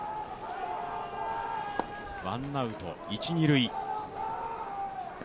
ワンアウト一・二塁。